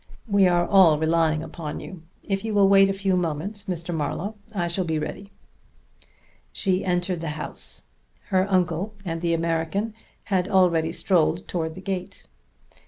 We are all relying upon you. If you will wait a few moments, Mr. Marlowe, I shall be ready." She entered the house. Her uncle and the American had already strolled towards the gate.